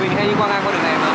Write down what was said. như quang anh có đường này mà